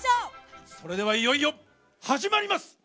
それではいよいよ始まります！